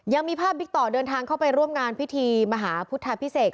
ยังมีภาพบิ๊กต่อเดินทางเข้าไปร่วมงานพิธีมหาพุทธพิเศษ